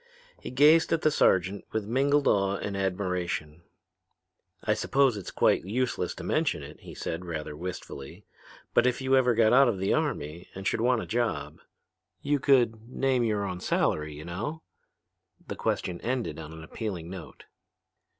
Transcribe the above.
He gazed at the sergeant with mingled awe and admiration. "I suppose it's quite useless to mention it," he said rather wistfully, "but if you ever get out of the army and should want a job.... You could name your own salary, you know?" The question ended on an appealing note.